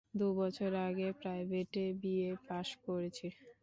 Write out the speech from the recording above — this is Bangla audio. দু বছর আগে প্রাইভেটে বি এ পাস করেছি।